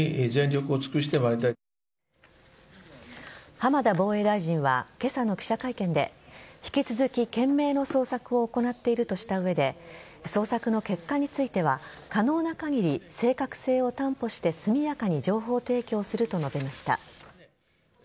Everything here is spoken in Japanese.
浜田防衛大臣は今朝の記者会見で引き続き懸命の捜索を行っているとした上で捜索の結果については可能な限り、正確性を担保して速やかに情報提供すると述べました。